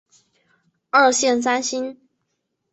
二线三星。